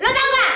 lo tau gak